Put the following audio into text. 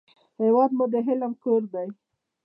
هېواد مو د علم کور دی